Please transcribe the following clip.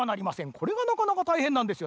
これがなかなかたいへんなんですよ。